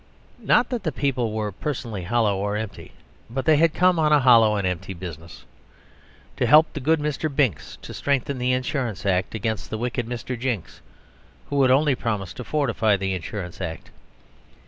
Not that the people were personally hollow or empty, but they had come on a hollow and empty business: to help the good Mr. Binks to strengthen the Insurance Act against the wicked Mr. Jinks who would only promise to fortify the Insurance Act.